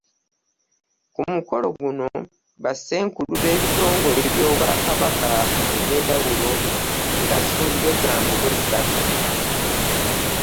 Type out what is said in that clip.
Ku mukolo guno, bassenkulu b'ebitongole by'Obwakabaka ebyenjawulo nga Ssuubiryo Zambogo SACCO